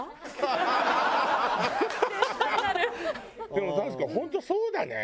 でも確かに本当そうだね。